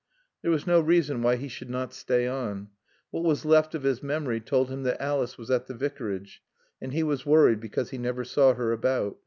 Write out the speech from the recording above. There was no reason why he should not stay on. What was left of his memory told him that Alice was at the Vicarage, and he was worried because he never saw her about.